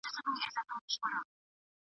عینکې مو پاکې وساتئ.